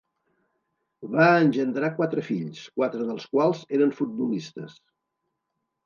Va engendrar quatre fills, quatre dels quals eren futbolistes.